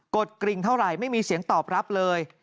ดกริ่งเท่าไหร่ไม่มีเสียงตอบรับเลย